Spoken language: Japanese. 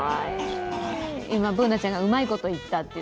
今、Ｂｏｏｎａちゃんがうまいこと言ったって。